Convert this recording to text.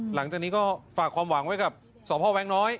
หลังจากนี้ก็ฝากความหวังไว้กับสพแวงน้อย